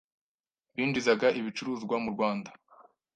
binjizaga ibicuruzwa mu Rwanda